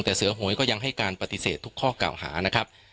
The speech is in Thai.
แต่เสือหวยก็ยังให้การปฏิเสธทุกข้อเก่าหานะครับ